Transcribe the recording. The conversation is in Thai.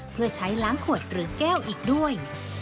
เพื่อใช้ล้างขวดหรือแก้วอีกด้วย